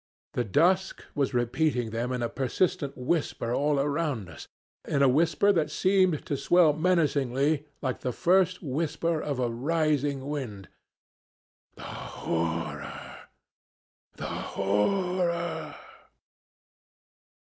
The dusk was repeating them in a persistent whisper all around us, in a whisper that seemed to swell menacingly like the first whisper of a rising wind. 'The horror! The horror!'